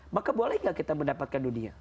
maka boleh nggak kita mendapatkan dunia